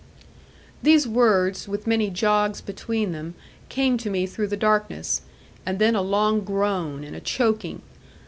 These words, with many jogs between them, came to me through the darkness, and then a long groan and a choking.